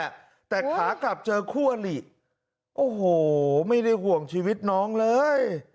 แต่ขากลับเจอคู่อลิโอ้โหไม่ได้ห่วงชีวิตน้องเลย